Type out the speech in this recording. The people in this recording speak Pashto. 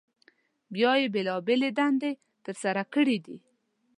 بیا یې بېلابېلې دندې تر سره کړي دي.